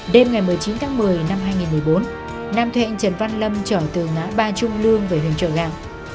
đêm ngày một mươi chín tháng một mươi năm hai nghìn một mươi bốn nam thu hẹn trần văn lâm trở từ ngã ba trung lương về huyền trợ gạo